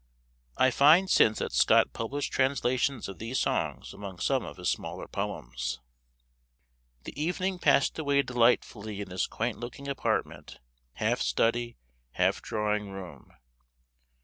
I find since that Scott published translations of these songs among some of his smaller poems. The evening passed away delightfully in this quaint looking apartment, half study, half drawing room.